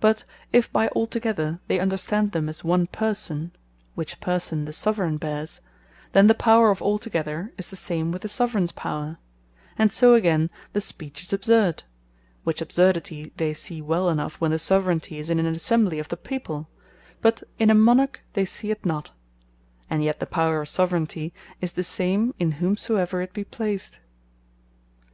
But if by All Together, they understand them as one Person (which person the Soveraign bears,) then the power of all together, is the same with the Soveraigns power; and so again the speech is absurd; which absurdity they see well enough, when the Soveraignty is in an Assembly of the people; but in a Monarch they see it not; and yet the power of Soveraignty is the same in whomsoever it be placed.